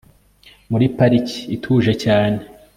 Muri pariki ituje cyane